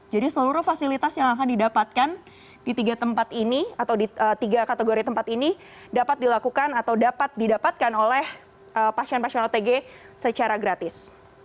jadi seluruh fasilitas yang akan didapatkan di tiga tempat ini atau di tiga kategori tempat ini dapat dilakukan atau dapat didapatkan oleh pasien pasien otg secara gratis